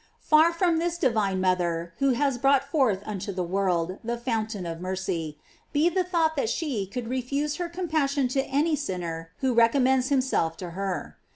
f Far from this divine mother who has brought forth unto the world the fountain of mercy, be the thought that she, could refuse her compassion to any sinner who recom mends himself to her.